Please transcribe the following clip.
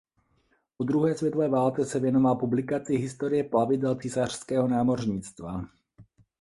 Po druhé světové válce se věnoval publikaci historie plavidel císařského námořnictva.